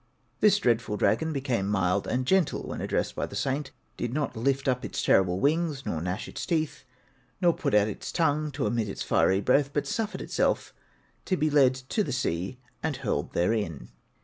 This dreadful dragon became mild and gentle when addressed by the saint; did not lift up its terrible wings, nor gnash its teeth, nor put out its tongue to emit its fiery breath, but suffered itself to be led to the sea and hurled therein.